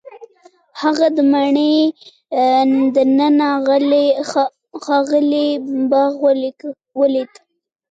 هغه د ماڼۍ دننه ښکلی باغ ولید.